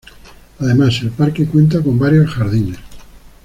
Además, el parque cuenta con varios jardines.